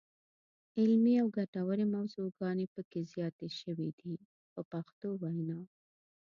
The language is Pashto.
علمي او ګټورې موضوعګانې پکې زیاتې شوې دي په پښتو وینا.